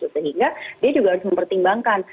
sehingga dia juga harus mempertimbangkan